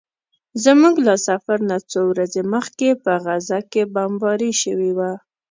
زموږ له سفر نه څو ورځې مخکې په غزه کې بمباري شوې وه.